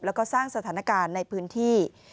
แล้วก็สร้างสถานการณ์ในพื้นที่